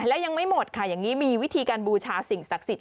และยังไม่หมดค่ะอย่างนี้มีวิธีการบูชาสิ่งศักดิ์สิทธ